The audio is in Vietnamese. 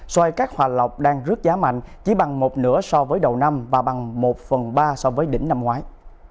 xoài cắt hòa lọc đang rớt giá mạnh chỉ bằng một nửa so với đầu năm và bằng một phần ba so với đỉnh năm ngoái